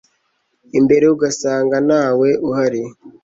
imbere ugasanga ntawe uhari